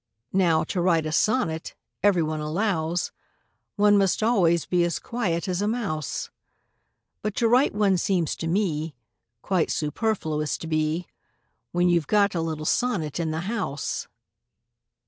Now, to write a sonnet, every one allows, One must always be as quiet as a mouse; But to write one seems to me Quite superfluous to be, When you 've got a little sonnet in the house.